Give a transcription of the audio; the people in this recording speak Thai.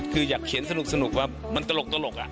คืออยากเขียนสนุกว่ามันตลก